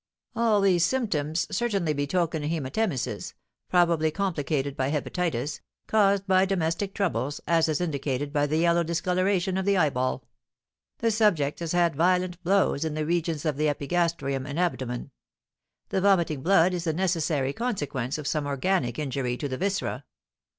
All these symptoms certainly betoken hæmatemesis, probably complicated by hepatitis, caused by domestic troubles, as is indicated by the yellow discoloration of the eyeball. The subject has had violent blows in the regions of the epigastrium and abdomen; the vomiting blood is the necessary consequence of some organic injury to the viscera.